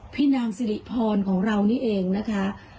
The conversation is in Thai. พี่นางสิริพรของเรานี่เองนะคะ